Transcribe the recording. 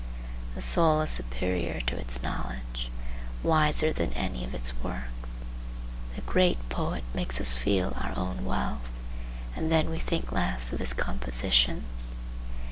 The soul is superior to its knowledge, wiser than any of its works. The great poet makes us feel our own wealth, and then we think less of his compositions.